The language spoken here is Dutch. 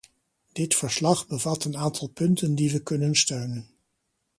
Dit verslag bevat een aantal punten die we kunnen steunen.